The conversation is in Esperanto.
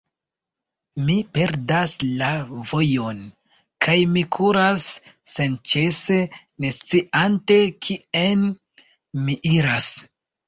Mi perdas la vojon, kaj mi kuras senĉese, ne sciante, kien mi iras.